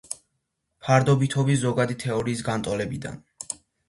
ფარდობითობის ზოგადი თეორიის განტოლებიდან.